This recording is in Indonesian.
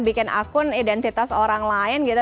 bikin akun identitas orang lain gitu